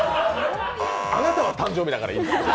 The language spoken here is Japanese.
あなたは誕生日だからいいけど。